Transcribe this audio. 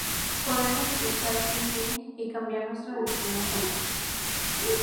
Podemos escuchar "Think Pink" y cambiar nuestro destino juntos.